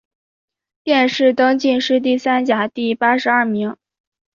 殿试登进士第三甲第八十二名。